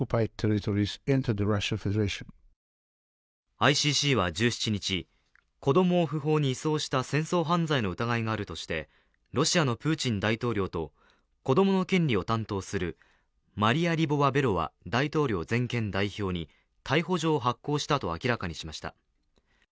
ＩＣＣは１７日、子供を不法に移送した戦争犯罪の疑いがあるとしてロシアのプーチン大統領と子どもの権利を担当するマリア・リボア・ベロワ大統領全権代表に逮捕状を発行したと明らかにしました。